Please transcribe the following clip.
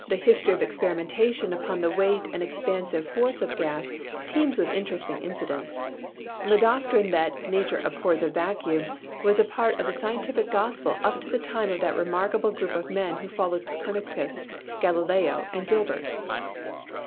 The history of experimentation upon the weight and expansive force of gases teems with interesting incidents. The doctrine that "nature abhors a vacuum" was a part of the scientific gospel up to the time of that remarkable group of men who followed Copernicus, Galileo and Gilbert.